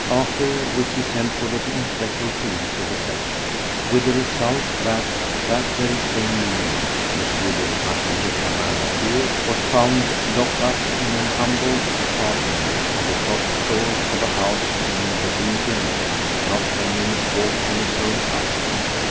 After which he sent for the inspector of police of the section, with the result that that very same evening M. le Marquis de Firmin Latour was found locked up in an humble apartment on the top floor of a house in the Rue Daunou, not ten minutes' walk from his own house.